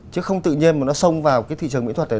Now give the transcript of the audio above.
chứ không tự nhiên mà nó xông vào cái thị trường mỹ thuật này